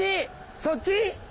そっち？